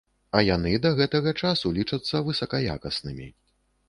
А яны да гэтага часу лічацца высакаякаснымі.